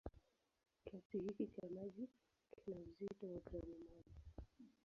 Kiasi hiki cha maji kina uzito wa gramu moja.